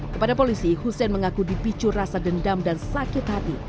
kepada polisi hussein mengaku dipicu rasa dendam dan sakit hati